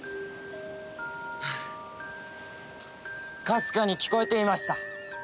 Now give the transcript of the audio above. かすかに聞こえていました。